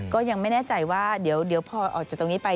ก็ยังไม่แน่ใจว่าเดี๋ยวพอออกจากตรงนี้ไป